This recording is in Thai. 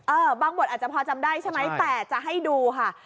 บางบทอาจจะพอจำได้ใช่ไหมแต่จะให้ดูค่ะ